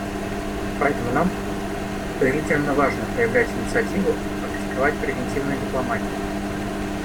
Поэтому нам повелительно важно проявлять инициативу и практиковать превентивную дипломатию.